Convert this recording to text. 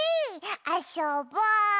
あそぼ！